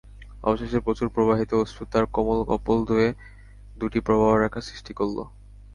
অবশেষে প্রচুর প্রবাহিত অশ্রু তাঁর কোমল কপোলদ্বয়ে দুটি প্রবাহ-রেখা সৃষ্টি করল।